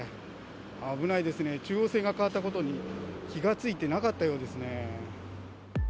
危ないですね、中央線が変わったことに気が付いてなかったようですね。